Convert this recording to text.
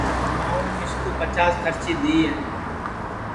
ماںٚو مِسکُو پچاس کھرچی دؔی ہے